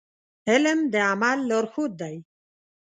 علم د عمل لارښود دی.